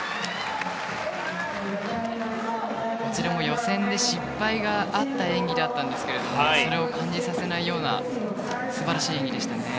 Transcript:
こちらも予選で失敗があった演技だったんですがそれを感じさせないような素晴らしい演技でしたね。